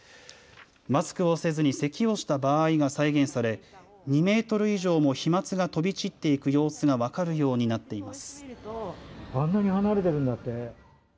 マスクをせずにせきをした場合が再現され２メートル以上も飛まつが飛び散っていく様子が分かるようになっています。